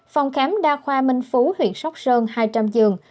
phòng khám đa khoa minh phú huyện sóc sơn hai trăm linh giường